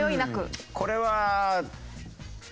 これは。